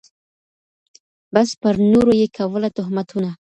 بس پر نورو یې کوله تهمتونه